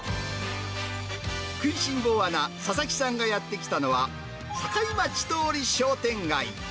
食いしん坊アナ、佐々木さんがやって来たのは、堺町通り商店街。